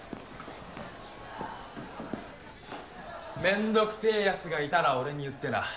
めんどくせぇやつがいたら俺に言ってな。